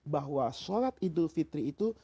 bahwa sholat eid ul fitri itu